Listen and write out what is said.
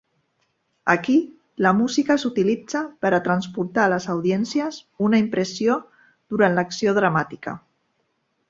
Aquí, la música s'utilitza per a transportar a les audiències una impressió durant l'acció dramàtica.